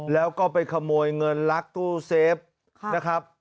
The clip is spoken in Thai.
แล้วก็ไปขโมยเงินลักตู้เซฟนะครับ